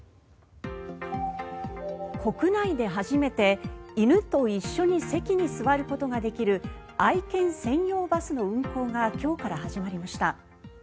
国内で初めて犬と一緒に席に座ることができる愛犬専用バスの運行が今日から始まりました。